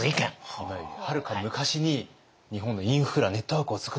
今よりはるか昔に日本のインフラネットワークを作った。